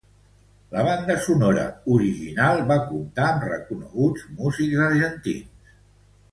La banda sonora original va comptar amb reconeguts músics argentins.